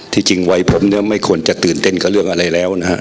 จริงวัยผมเนี่ยไม่ควรจะตื่นเต้นกับเรื่องอะไรแล้วนะฮะ